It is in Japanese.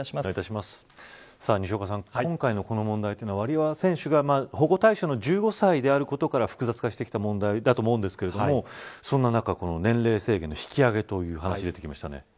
西岡さん、今回のこの問題というのはワリエワ選手が保護対象の１５歳であることから複雑化してきた問題だと思うんですがそんな中、年齢制限の引き上げという話が出ていましたね。